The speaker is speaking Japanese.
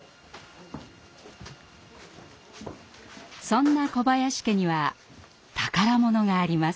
そんな小林家には宝物があります。